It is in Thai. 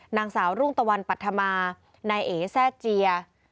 นางสาวรุ่งตะวันปัธมานายเอ๋แซ่เจีย